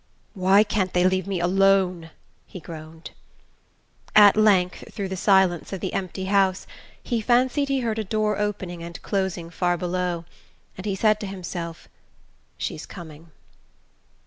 "Why can't they leave me alone?" he groaned.... At length through the silence of the empty house, he fancied he heard a door opening and closing far below; and he said to himself: "She's coming."